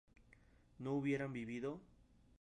¿no hubieran vivido?